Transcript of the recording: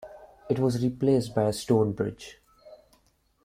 It was replaced by a stone bridge.